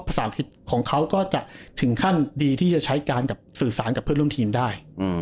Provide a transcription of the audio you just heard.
ภาษาอังกฤษของเขาก็จะถึงขั้นดีที่จะใช้การกับสื่อสารกับเพื่อนร่วมทีมได้